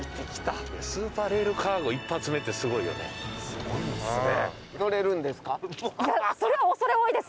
すごいっすね。